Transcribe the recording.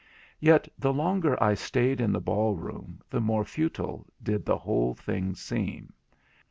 Yet the longer I stayed in the ball room the more futile did the whole thing seem.